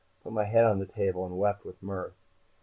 I put my head on the table and wept with mirth.